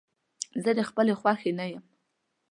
زه د خپلې خوښې نه يم.